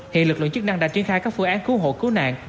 hiện lực lượng chức năng đã triển khai các phương án cứu hộ cứu nạn